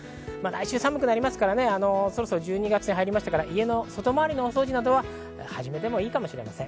来週寒くなりますから、そろそろ１２月入りましたから、家の外回りの掃除なんかは始めてもいいかもしれません。